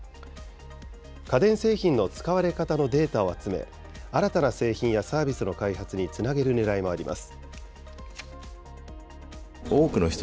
家電製品の使われ方のデータを集め、新たな製品やサービスの開発につなげるねらいもあります。